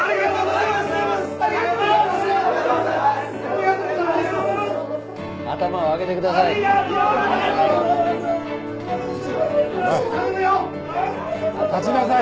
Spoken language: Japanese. おい立ちなさい！